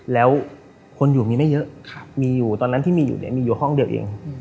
แล้วคนอยู่มีไม่เยอะมีอยู่ตอนนั้นที่มีอยู่เนี่ยมีอยู่ห้องเดียวเอง